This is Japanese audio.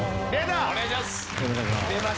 お願いします！